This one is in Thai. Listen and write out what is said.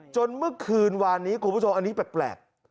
เมื่อคืนวานนี้คุณผู้ชมอันนี้แปลก